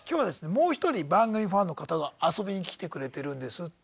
もう一人番組ファンの方が遊びに来てくれてるんですって。